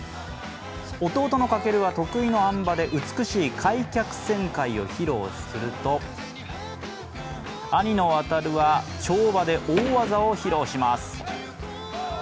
弟の翔は得意のあん馬で美しい開脚旋回を披露すると兄の航は跳馬で大技を披露します。